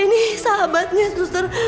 saya ini sahabatnya suster